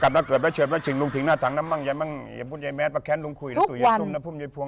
คุณนี้อย่าลืมไปชมภาพยนตร์กลางแปลงกันที่หน้าโรงพรรคสามแเร็จ